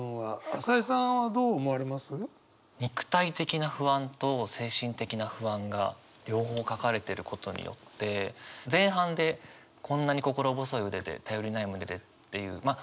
朝井さんはどう思われます？が両方書かれてることによって前半で「こんなに心細い腕で頼りない胸で」っていうまあ